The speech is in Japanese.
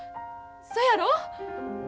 そやろ？